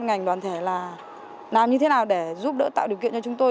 ngành đoàn thể là làm như thế nào để giúp đỡ tạo điều kiện cho chúng tôi